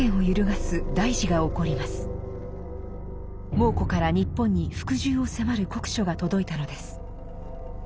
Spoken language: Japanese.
蒙古から日本に服従を迫る国書が届いたのです。